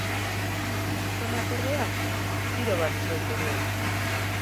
Gizonak, ordea, tiro bat zuen buruan.